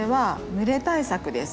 蒸れ対策です。